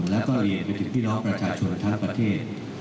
และเรียนกับพี่น้องประชาชนทั้งประเทศ